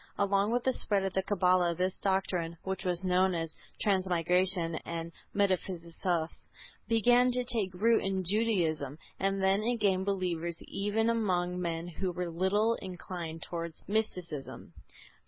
Along with the spread of the Cabala this doctrine (which was known as Transmigration and Metempsychosis) "began to take root in Judaism and then it gained believers even among men who were little inclined towards Mysticism.